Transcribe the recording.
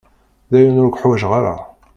Dayen ur k-uḥwaǧeɣ ara.